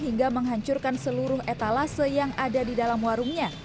hingga menghancurkan seluruh etalase yang ada di dalam warungnya